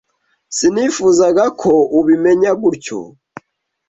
Sinifuzaga ko ubimenya gutya.